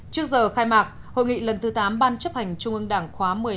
trước giờ khai mạc hội nghị lần thứ tám ban chấp hành trung ương đảng khóa một mươi hai